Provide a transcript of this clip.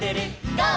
「ゴー！